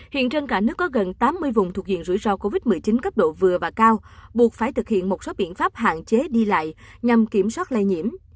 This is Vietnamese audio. hiện trên cả nước có gần tám mươi vùng thuộc diện rủi ro covid một mươi chín cấp độ vừa và cao buộc phải thực hiện một số biện pháp hạn chế đi lại nhằm kiểm soát lây nhiễm